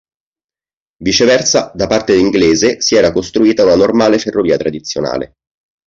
Viceversa da parte inglese si era costruita una normale ferrovia tradizionale.